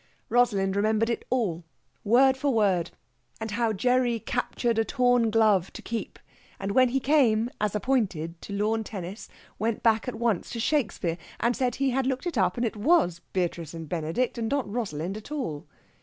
Rosalind remembered it all, word for word. And how Gerry captured a torn glove to keep; and when he came, as appointed, to lawn tennis, went back at once to Shakespeare, and said he had looked it up, and it was Beatrice and Benedict, and not Rosalind at all.